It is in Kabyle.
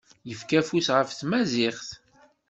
Yefka afus ɣef tmaziɣt.